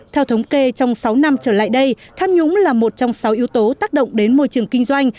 theo thống kê trong sáu năm trở lại đây tham nhũng là một trong sáu yếu tố tác động đến môi trường kinh doanh